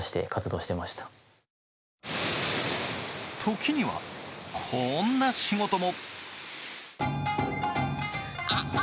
時には、こんな仕事も。